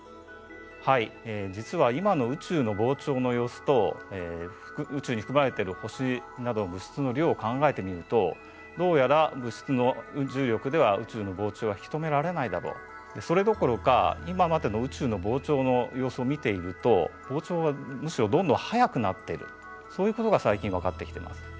はい実は今の宇宙の膨張の様子と宇宙に含まれてる星などの物質の量を考えてみるとどうやら物質の重力では宇宙の膨張は引き止められないだろうそれどころか今までの宇宙の膨張の様子を見ていると膨張はむしろどんどん速くなっているそういうことが最近分かってきています。